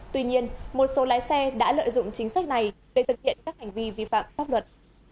tuy nhiên một số lái xe đã lợi dụng chính sách này để thực hiện các hành vi vi phạm pháp luật